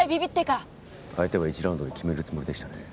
相手は１ラウンドで決めるつもりでしたね。